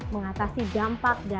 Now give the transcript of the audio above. mengatasi dampak dan keterangan